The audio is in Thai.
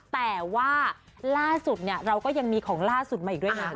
แต่ว่าล่าสุดเนี่ยเราก็ยังมีของล่าสุดมาอีกด้วยนะ